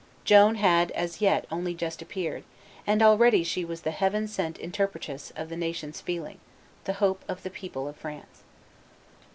Joan had as yet only just appeared, and already she was the heaven sent interpretress of the nation's feeling, the hope of the people of France.